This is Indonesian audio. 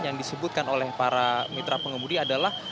yang disebutkan oleh para mitra pengemudi adalah